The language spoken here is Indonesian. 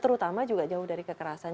terutama juga jauh dari kekerasan